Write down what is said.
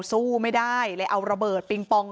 สู้ไม่ได้เลยเอาระเบิดปิงปอง